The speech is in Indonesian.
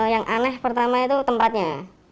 yang aneh pertama itu tempatnya